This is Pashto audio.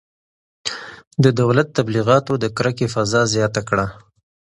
د دولت تبلیغاتو د کرکې فضا زیاته کړه.